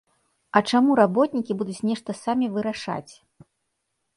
А чаму работнікі будуць нешта самі вырашаць?